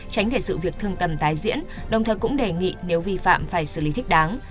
tránh để sự việc thương tầm tái diễn đồng thời cũng đề nghị nếu vi phạm phải xử lý thích đáng